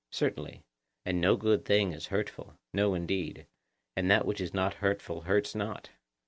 Certainly. And no good thing is hurtful? No, indeed. And that which is not hurtful hurts not?